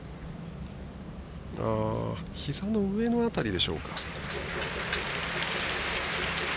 ひざの上の辺りでしょうか。